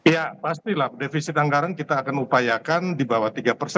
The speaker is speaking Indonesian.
ya pastilah defisit anggaran kita akan upayakan di bawah tiga persen